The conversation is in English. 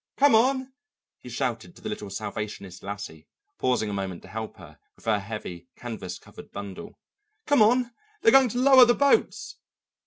"Come on!" he shouted to the little Salvationist lassie, pausing a moment to help her with her heavy canvas covered bundle. "Come on! they're going to lower the boats."